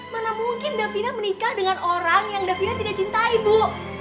mana mungkin davina menikah dengan orang yang davina tidak cintai bu